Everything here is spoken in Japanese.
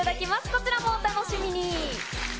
こちらもお楽しみに。